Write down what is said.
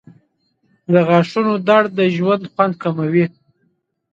• د غاښونو درد د ژوند خوند کموي.